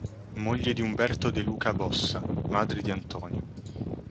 Moglie di Umberto De Luca Bossa, madre di Antonio.